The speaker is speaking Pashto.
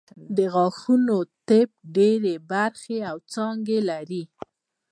د غاښونو طب ډېرې برخې او څانګې لري